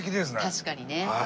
確かにね。